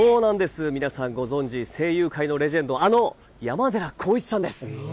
皆さんご存じ、声優界のレジェンド、山寺宏一さんです。